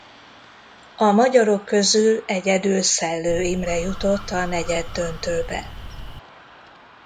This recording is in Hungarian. A magyarok közül egyedül Szellő Imre jutott a negyeddöntőbe.